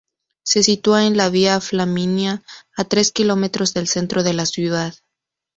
Se sitúa en la Vía Flaminia, a tres kilómetros del centro de la ciudad.